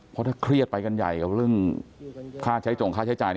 เพราะถ้าเครียดไปกันใหญ่กับเรื่องค่าใช้จงค่าใช้จ่าย